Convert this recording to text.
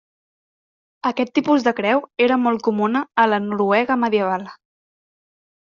Aquest tipus de creu era molt comuna a la Noruega medieval.